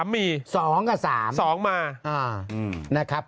๓๓มี๒๓มา